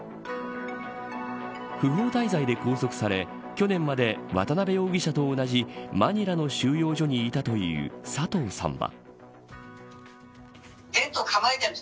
不法滞在で拘束され去年まで渡辺容疑者と同じマニラの収容所にいたという佐藤さんは。